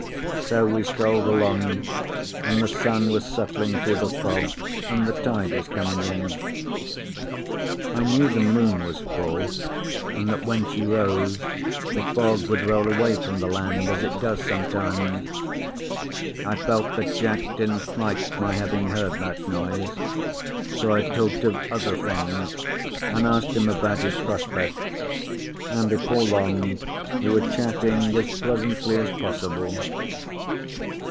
So we strolled along, and the sun was setting through the fog, and the tide was coming in. I knew the moon was full, and that when she rose the fog would roll away from the land, as it does sometimes. I felt that Jack didn't like my having heard that noise, so I talked of other things, and asked him about his prospects, and before long we were chatting as pleasantly as possible.